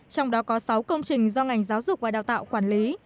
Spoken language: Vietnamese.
trong đó có sáu công trình do ngành giáo dục và đào tạo quản lý